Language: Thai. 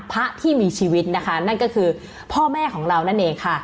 พระที่มีชีวิตนะคะนั่นก็คือพ่อแม่ของเรานั่นเองค่ะ